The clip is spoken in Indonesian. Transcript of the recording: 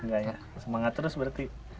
enggak ya semangat terus berarti